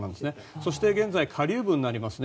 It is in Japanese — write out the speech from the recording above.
そして、現在下流部になりますね。